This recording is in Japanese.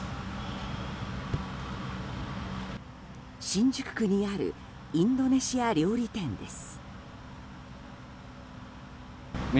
新宿区にあるインドネシア料理店です。